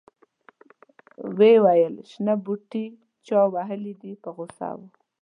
ویې ویل شنه بوټي چا وهلي دي په غوسه و.